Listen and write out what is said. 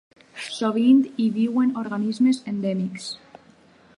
Sovint hi viuen organismes endèmics.